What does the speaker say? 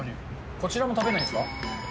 こちらも食べないんですか。